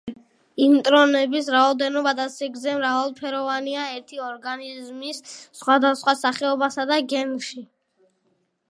ინტრონების რაოდენობა და სიგრძე მრავალფეროვანია ერთი ორგანიზმის სხვადასხვა სახეობასა და გენში.